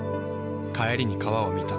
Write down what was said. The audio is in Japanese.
帰りに川を見た。